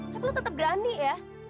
tapi perlu tetap berani ya